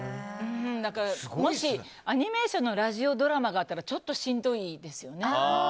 もしアニメーションのラジオドラマがあったらちょっとしんどいですよね。